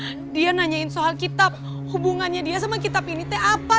nah dia nanyain soal kitab hubungannya dia sama kitab ini teh apa